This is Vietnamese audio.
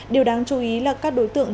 điều đáng chú ý là các đối tượng